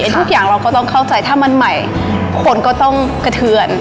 ทุกอย่างเราก็ต้องเข้าใจถ้ามันใหม่คนก็ต้องกระเทือน